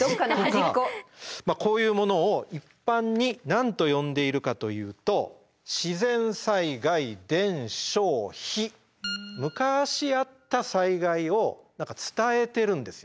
こういうものを一般に何と呼んでいるかというとむかしあった災害を伝えてるんですよ